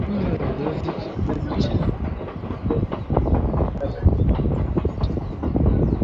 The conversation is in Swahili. Kiazi lishe ni kiazi ambacho ukikikata kina rangi ya chungwa ndani